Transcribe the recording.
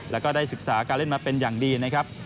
แล้วก็ได้ศึกษาการเล่นมาเป็นอย่างดีนะครับ